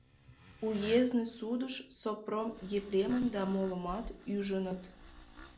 Уездный судыш Сопром Епремым да молымат ӱжыныт.